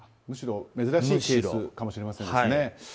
むしろ珍しいケースかもしれませんね。